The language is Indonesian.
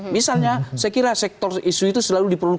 misalnya saya kira sektor isu itu selalu diperlukan